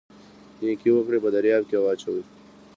نیکي وکړئ په دریاب یې واچوئ